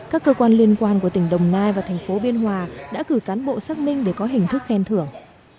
các cơ quan liên quan của tỉnh đồng nai và thành phố biên hòa đã cử cán bộ xác minh để có hình thức khen thưởng